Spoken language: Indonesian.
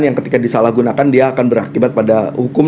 yang ketika disalahgunakan dia akan berakibat pada hukum